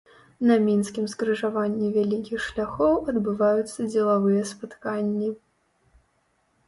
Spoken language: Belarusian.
На мінскім скрыжаванні вялікіх шляхоў адбываюцца дзелавыя спатканні.